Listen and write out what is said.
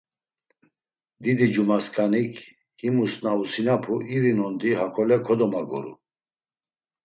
Didicumasǩanik himus na usinapu iri nondi hakole kodomaguru.